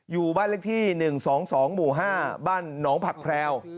อยู่บ้านเลขที่๑๒๒หมู่๕บ้านหนองผักแพรว